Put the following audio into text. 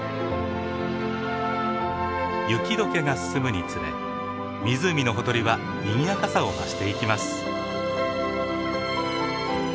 雪解けが進むにつれ湖のほとりはにぎやかさを増していきます。